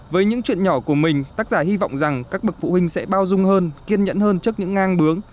với những chuyện nhỏ của mình tác giả hy vọng rằng các bậc phụ huynh sẽ bao dung hơn kiên nhẫn hơn trước những ngang bướng